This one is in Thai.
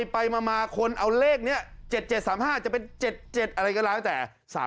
ไปมาคนเอาเลขนี้๗๗๓๕จะเป็น๗๗อะไรก็แล้วแต่